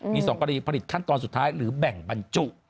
มี๒กรณีผลิตขั้นตอนสุดท้ายหรือแบ่งบรรจุ